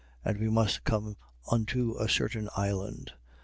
And we must come unto a certain island.